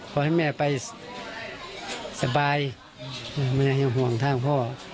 ขอให้แม่ไปสบายแม่ให้ห่วงทางพ่อ